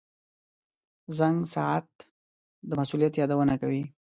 • زنګ ساعت د مسؤلیت یادونه کوي.